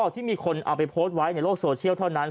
ที่มีคนเอาไปโพสต์ไว้ในโลกโซเชียลเท่านั้น